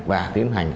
và tiến hành